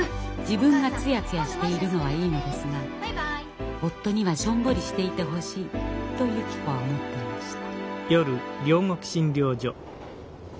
自分がツヤツヤしているのはいいのですが夫にはしょんぼりしていてほしいとゆき子は思っていました。